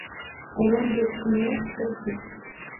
Onam deb kimni yaxshi ko'rasan?